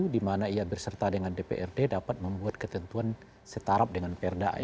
dimana ia berserta dengan dprd dapat membuat ketentuan setarap dengan perda ya